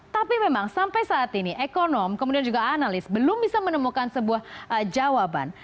tapi memang sampai saat ini ekonom kemudian juga analis belum bisa menemukan sebuah jawaban